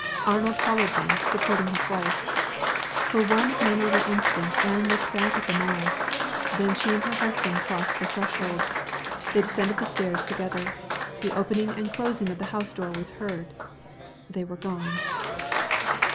Arnold followed them, supporting his wife. For one memorable instant Anne looked back at them all. Then she and her husband crossed the threshold. They descended the stairs together. The opening and closing of the house door was heard. They were gone.